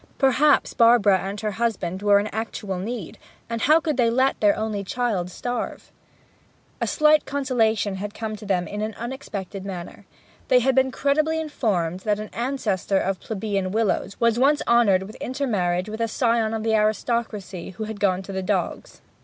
Perhaps Barbara and her husband were in actual need; and how could they let their only child starve? A slight consolation had come to them in an unexpected manner. They had been credibly informed that an ancestor of plebeian Willowes was once honoured with intermarriage with a scion of the aristocracy who had gone to the dogs.